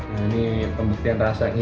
nah ini pembuktian rasanya